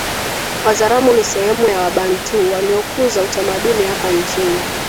Wazaramo ni sehemu ya Wabantu waliokuza utamaduni hapa nchini